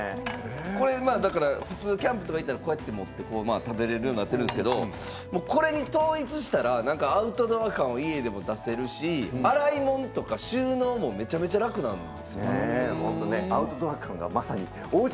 普通キャンプに行ったら持って食べられるようになっているんですけどこれに統一したらアウトドア感を家でも出せるし洗い物とか収納もめちゃめちゃ楽なんですね。